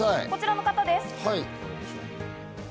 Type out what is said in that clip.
こちらの方です。